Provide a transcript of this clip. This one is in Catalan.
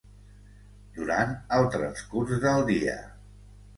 Durant el transcurs del dia.